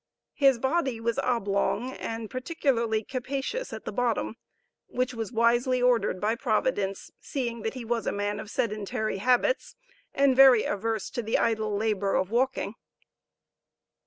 His body was oblong and particularly capacious at bottom, which was wisely ordered by Providence, seeing that he was a man of sedentary habits, and very averse to the idle labor of walking.